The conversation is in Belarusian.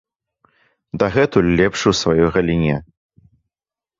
Дагэтуль лепшы ў сваёй галіне.